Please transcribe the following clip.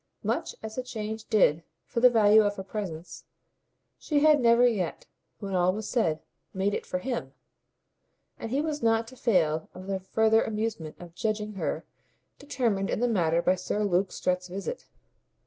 Much as the change did for the value of her presence, she had never yet, when all was said, made it for HIM; and he was not to fail of the further amusement of judging her determined in the matter by Sir Luke Strett's visit.